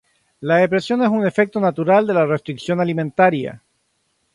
La depresión es un efecto natural de la restricción alimentaria.